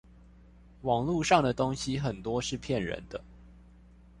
網路上的東西很多是騙人的